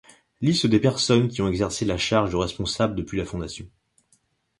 Liste des personnes qui ont exercé la charge de responsable depuis la fondation.